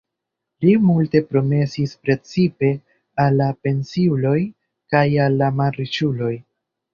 Li multe promesis precipe al la pensiuloj kaj al la malriĉuloj.